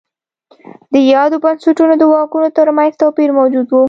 د یادو بنسټونو د واکونو ترمنځ توپیر موجود و.